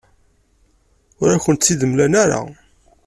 Ur akent-ten-id-mlan ara.